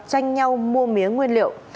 tranh nhau mua mía nguyên liệu